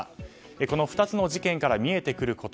この２つの事件から見えてくること。